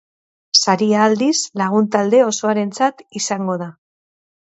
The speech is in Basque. Saria, aldiz, lagun talde osoarentzat izango da.